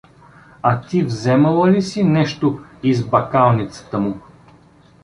А ти вземала ли си нещо из бакалницата му?